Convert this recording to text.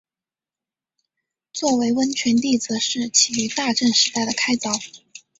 作为温泉地则是起于大正时代的开凿。